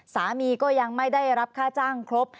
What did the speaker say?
สามีก็ยังไม่ได้รับค่าจ้างครบ